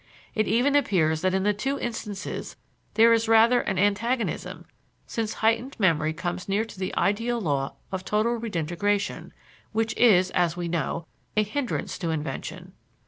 It even appears that in the two instances there is rather an antagonism since heightened memory comes near to the ideal law of total redintegration, which is, as we know, a hindrance to invention.